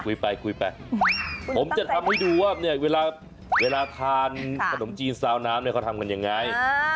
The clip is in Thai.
คุยไปคุยไปผมจะทำให้ดูว่าเนี่ยเวลาทานขนมจีนซาวน้ำเนี่ยเขาทำกันยังไง